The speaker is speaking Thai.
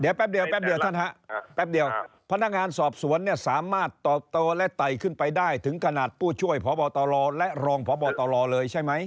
เดี๋ยวแป๊บเดียวแป๊บเดียวท่านฮะแป๊บเดียวพนักงานสอบสวนเนี่ยสามารถเติบโตและไต่ขึ้นไปได้ถึงขนาดผู้ช่วยพบตรและรองพบตลเลยใช่ไหม